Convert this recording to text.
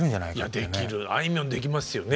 いやできるあいみょんできますよね。